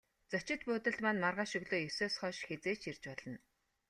Зочид буудалд маань маргааш өглөө есөөс хойш хэзээ ч ирж болно.